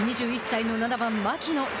２１歳の７番・牧野。